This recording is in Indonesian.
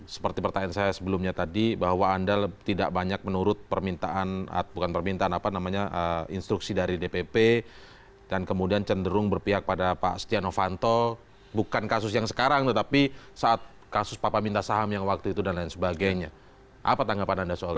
seperti pertanyaan saya sebelumnya tadi bahwa anda tidak banyak menurut permintaan bukan permintaan apa namanya instruksi dari dpp dan kemudian cenderung berpihak pada pak setia novanto bukan kasus yang sekarang tetapi saat kasus papa minta saham yang waktu itu dan lain sebagainya apa tanggapan anda soal ini